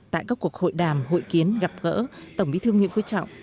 tại các cuộc hội đàm hội kiến gặp gỡ tổng bí thư nguyễn phú trọng